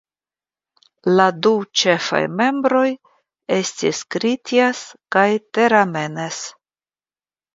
La du ĉefaj membroj estis Kritjas kaj Teramenes.